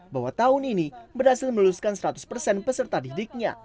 bahwa tahun ini berhasil meluluskan seratus persen peserta didiknya